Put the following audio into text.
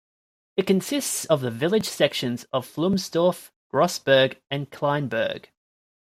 It consists of the village sections of Flums-Dorf, Grossberg and Kleinberg.